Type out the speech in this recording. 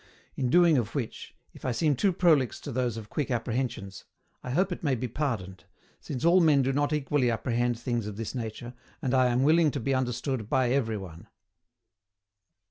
In doing of which, if I seem too prolix to those of quick apprehensions, I hope it may be pardoned, since all men do not equally apprehend things of this nature, and I am willing to be understood by every one.